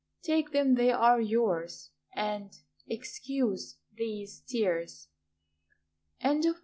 Take them they are yours And excuse these tears. TO MR.